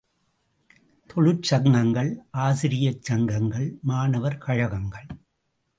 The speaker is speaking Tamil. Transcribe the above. தொழிற் சங்கங்கள், ஆசிரியச் சங்கங்கள், மாணவர் கழகங்கள்.